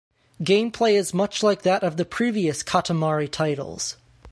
Gameplay is much like that of the previous "Katamari" titles.